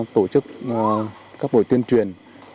tổ chức các buổi tuyên truyền